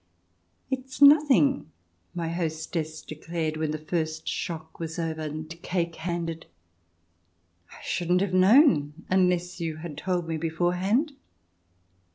" It's nothing !" my hostess declared, when the first shock was over and cake handed. I shouldn't have known unless you had told me beforehand."